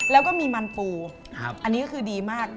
แล้วก็มีมันปูอันนี้ก็คือดีมาก